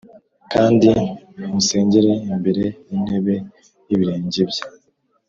kandi musengere imbere y’intebe y’ibirenge bye.